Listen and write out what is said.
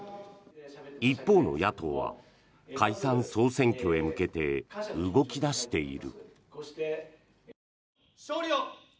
一方の野党は解散・総選挙へ向けて動き出している。